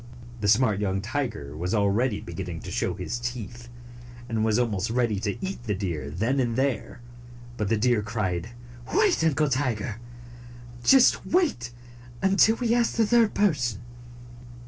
The smart young tiger was already beginning to show his teeth, and was almost ready to eat the deer then and there, but the deer cried, "Wait, Uncle Tiger! Just wait until we ask the third person.